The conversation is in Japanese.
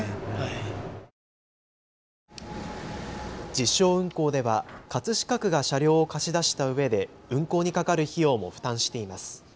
実証運行では葛飾区が車両を貸し出したうえで運行にかかる費用も負担しています。